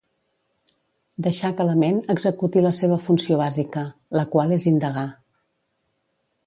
Deixar que la ment executi la seva funció bàsica, la qual és indagar.